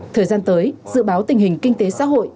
thời gian tới dự báo tình hình kinh tế xã hội